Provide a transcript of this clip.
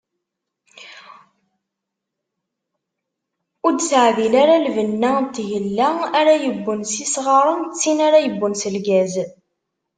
Ur d-teɛdil ara lbenna n tgella ara yewwen s yisɣaren d tin ara yewwen s lgaz.